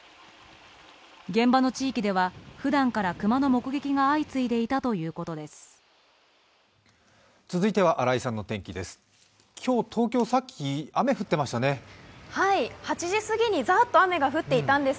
現場の地域では、ふだんから熊の目撃が相次いでいたということです。